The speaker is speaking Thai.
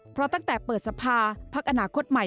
เพราะตั้งแต่เปิดสภาพักอนาคตใหม่